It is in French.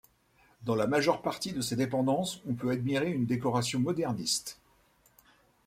Dans la majeure partie de ses dépendances, on peut admirer une décoration moderniste.